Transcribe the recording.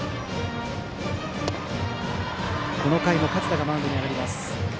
この回も勝田がマウンドに上がります。